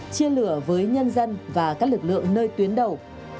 chia lửa với nhân dân và các lực lượng nơi tuyến đầu